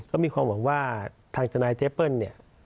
ก็มีความหวังว่าทางทนายเจเปิ้ลเนี่ย